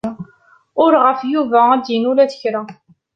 Ur ɣef Yuba ad d-yini ula d kra.